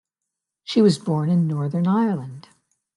She was born in Northern Ireland.